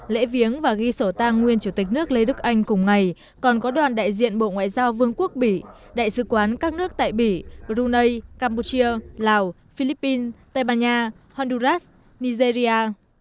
lễ viếng và ghi sổ tang nguyên chủ tịch nước lê đức anh cùng ngày còn có đoàn đại diện bộ ngoại giao vương quốc bỉ đại sứ quán các nước tại bỉ brunei campuchia lào philippines tây ban nha honduras nigeria